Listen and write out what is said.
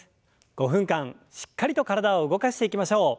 ５分間しっかりと体を動かしていきましょう。